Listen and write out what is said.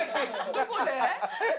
どこで？